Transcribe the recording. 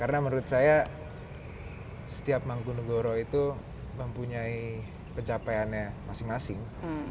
karena menurut saya setiap mangkunagara itu mempunyai pencapaiannya masing masing